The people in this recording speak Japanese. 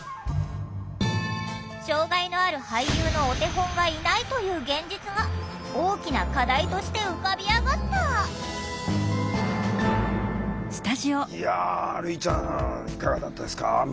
障害のある俳優のお手本がいないという現実が大きな課題として浮かび上がったいや類ちゃんいかがだったですか見てて。